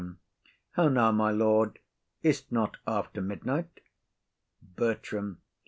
How now, my lord, is't not after midnight? BERTRAM.